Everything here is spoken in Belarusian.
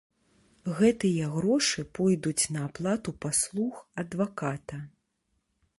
Гэтыя грошы пойдуць на аплату паслуг адваката.